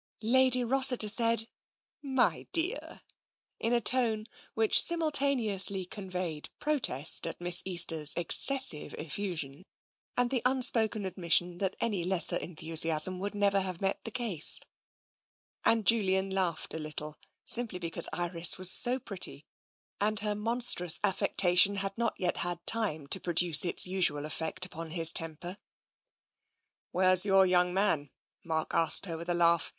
Lady Rossiter said " My dear !" in a tone which simultaneously conveyed protest at Miss Easter's ex cessive effusion and the unspoken admission that any lesser enthusiasm would never have met the case, and Julian laughed a little, simply because Iris was so TENSION ^^ pretty and her monstrous affectation had not yet had time to produce its usual effect upon his temper. "Where's your young man?" Mark asked her, with a laugh.